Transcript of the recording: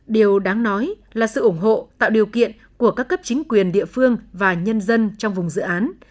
điều đáng nói là sự ủng hộ tạo điều kiện của các cấp chính quyền địa phương và nhân dân trong vùng dự án